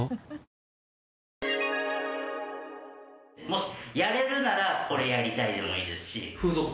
もしやれるならこれやりたいでもいいですし。